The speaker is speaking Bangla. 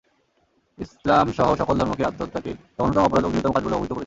ইসলাম সহ সকল ধর্মতেই আত্মহত্যাকে জঘন্যতম অপরাধ ও ঘৃণ্যতম কাজ বলে অবহিত করেছে।